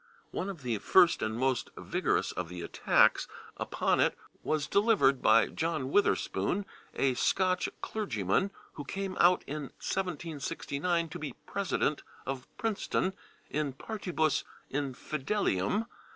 One of the first and most vigorous of the attacks upon it was delivered by John Witherspoon, a Scotch clergyman who came out in 1769 to be president of Princeton /in partibus infidelium